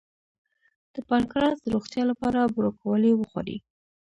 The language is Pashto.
د پانکراس د روغتیا لپاره بروکولي وخورئ